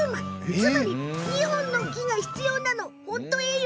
つまり、２本の木が必要なの。